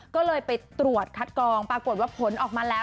ก็เลยไปตรวจคัดกองปรากฏว่าผลออกมาแล้ว